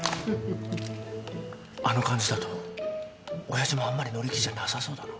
あの感じだと親父もあんまり乗り気じゃなさそうだな。